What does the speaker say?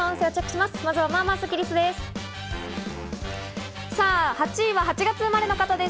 まずは、まあまあスッキりすです。